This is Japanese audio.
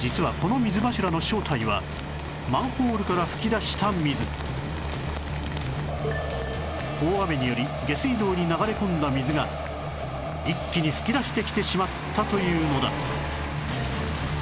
実はこの水柱の正体は大雨により下水道に流れ込んだ水が一気に噴き出してきてしまったというのだ